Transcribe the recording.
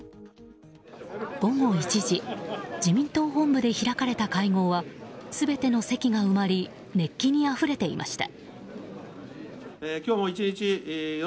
午後１時自民党本部で開かれた会合は全ての席が埋まり熱気にあふれていました。